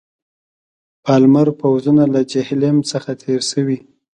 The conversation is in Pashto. پالمر پوځونه له جیهلم څخه تېر شوي.